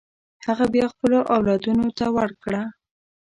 هغه بیا خپلو اولادونو ته ورکړه.